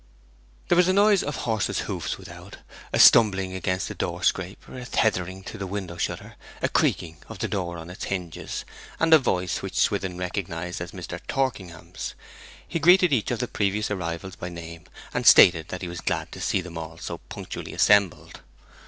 There was a noise of horse's hoofs without, a stumbling against the door scraper, a tethering to the window shutter, a creaking of the door on its hinges, and a voice which Swithin recognized as Mr. Torkingham's. He greeted each of the previous arrivals by name, and stated that he was glad to see them all so punctually assembled.